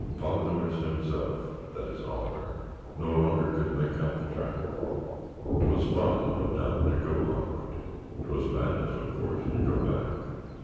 Palinurus himself that is Almer No longer could make out the track; 'Twas folly, no doubt, to go onward; 'Twas madness, of course, to go back.